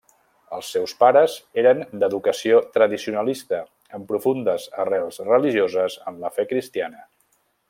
Els seus pares eren d'educació tradicionalista, amb profundes arrels religioses en la fe cristiana.